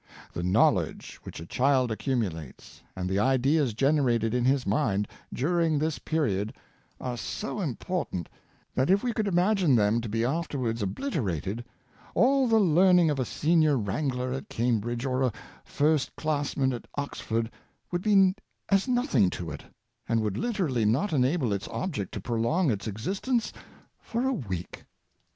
The knowledge which a child ac cumulates, and the ideas generated in his mind, during this period, are so important, that if we could imagine them to be afterwards obliterated, all the learning of a senior wrangler at Cambridge, or a first classman at Oxford, would be as nothing to it, and would literally not .enable its object to prolong his existence for a week.